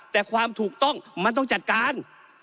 แต่ความถูกต้องมันต้องจัดการ